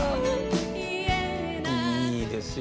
いいですよね。